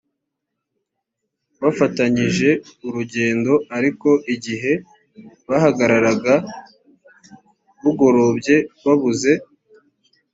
bafatanyije urugendo ariko igihe bahagararaga bugorobye babuze